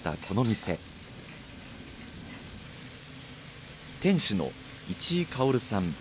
店主の市居馨さん。